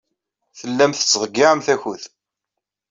Tellamt tettḍeyyiɛemt akud.